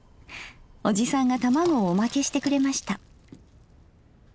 おじさんが卵をおまけしてくれました。